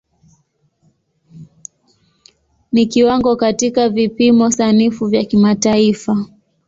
Ni kiwango katika vipimo sanifu vya kimataifa.